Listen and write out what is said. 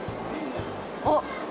あっ！